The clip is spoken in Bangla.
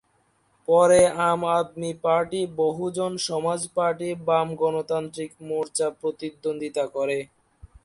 পরে আম আদমি পার্টি, বহুজন সমাজ পার্টি, বাম-গণতান্ত্রিক মোর্চা প্রতিদ্বন্দ্বিতা করে।